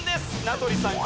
名取さん